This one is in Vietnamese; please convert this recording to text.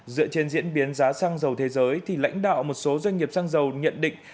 dựa trên diễn biến giá xăng dầu thế giới thì lãnh đạo một số doanh nghiệp xăng dầu nhận định